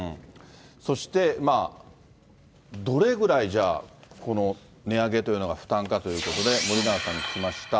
そして、どれぐらいじゃあ、この値上げというのが負担かということで、森永さんに聞きました。